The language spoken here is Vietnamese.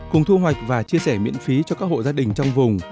cùng thu hoạch và chia sẻ miễn phí cho các hộ gia đình trong vùng